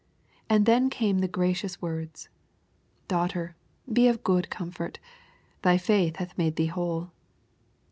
And then came the gracious words, Daughter, be of good comfort. Thy faith hath made thee whole."